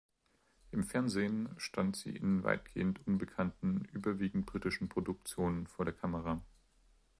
Im Fernsehen stand sie in weitgehend unbekannten, überwiegend britischen Produktionen vor der Kamera.